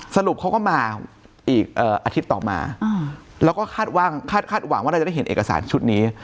สรุปเขาก็มาอีกอาทิตย์ต่อมาแล้วก็คาดหวังว่าเราจะได้เห็นเอกสารชุดนี้